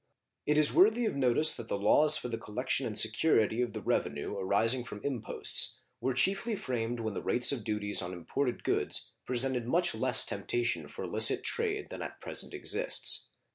It is worthy of notice that the laws for the collection and security of the revenue arising from imposts were chiefly framed when the rates of duties on imported goods presented much less temptation for illicit trade than at present exists.